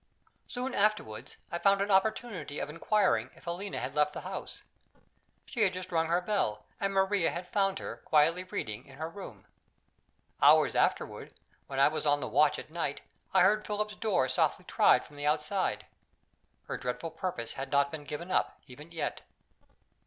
Soon afterward I found an opportunity of inquiring if Helena had left the house. She had just rung her bell; and Maria had found her, quietly reading, in her room. Hours afterward, when I was on the watch at night, I heard Philip's door softly tried from the outside. Her dreadful purpose had not been given up, even yet.